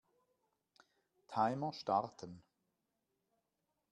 Timer starten.